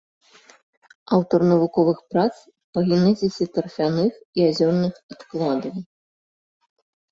Аўтар навуковых прац па генезісе тарфяных і азёрных адкладаў.